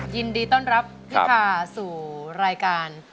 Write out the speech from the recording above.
ยินดีต้อนรับพิธาสู่รายการ